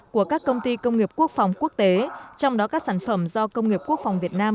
của các công ty công nghiệp quốc phòng quốc tế trong đó các sản phẩm do công nghiệp quốc phòng việt nam